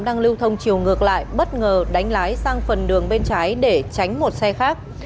đâm trực diện vào đầu xe bất ngờ đánh lái sang phần đường bên trái để tránh một xe khác